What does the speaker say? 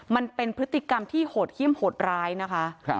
มันเป็นพฤติกรรมที่โหดเยี่ยมโหดร้ายนะคะ